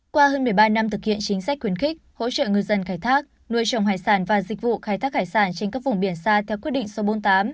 qua hơn một mươi ba năm thực hiện chính sách khuyến khích hỗ trợ ngư dân khai thác nuôi trồng hải sản và dịch vụ khai thác hải sản trên các vùng biển xa theo quyết định số bốn mươi tám